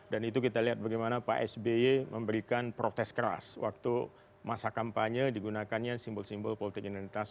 dan itu kita lihat bagaimana pak sby memberikan protes keras waktu masa kampanye digunakannya simbol simbol politik identitas